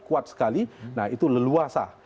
kuat sekali nah itu leluasa